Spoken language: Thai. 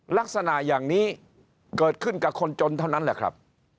ลักษณะอย่างนี้เกิดขึ้นกับคนจนเท่านั้นแหละครับ